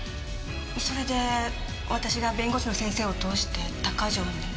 それで私が弁護士の先生を通して鷹城に。